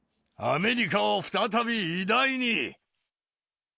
アメリカを再び偉大に！